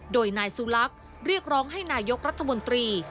โดยนายสุลักษณ์เรียกร้องให้นายกรัฐมนตรี